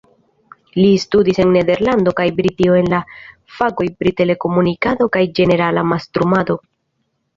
Li studis en Nederlando kaj Britio en la fakoj pri telekomunikado kaj ĝenerala mastrumado.